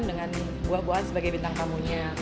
dengan buah buahan sebagai bintang tamunya